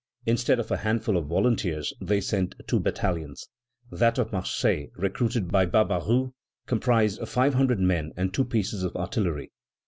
Instead of a handful of volunteers they sent two battalions. That of Marseilles, recruited by Barbaroux, comprised five hundred men and two pieces of artillery.